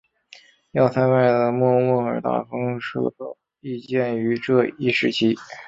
要塞外的莫卧尔大篷车道亦建于这一时期。